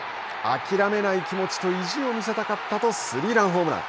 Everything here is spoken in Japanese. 諦めない気持ちと意地を見せたかったとスリーランホームラン。